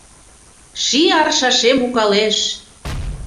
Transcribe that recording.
Ший аршашем укалеш.